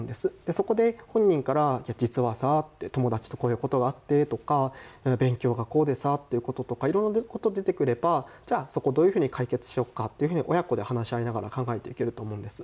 そこで本人から、実はさあ友達とこういうことがあってとか勉強がこうでさとかっていうこととかいろんなことが出てくればそこをどういうふうに解決しよっかっていうふうに親子で話し合いながら考えていけると思うんです。